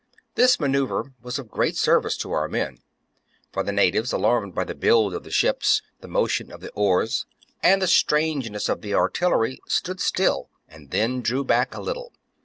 This manoeuvre was of great service to our men ; for the natives, alarmed by the build of the ships, the motion of the oars, and the strangeness of the artillery, stood still, and then drew back a little.